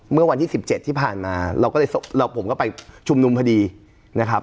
เมื่อวันที่๑๗ที่ผ่านมาเราก็เลยผมก็ไปชุมนุมพอดีนะครับ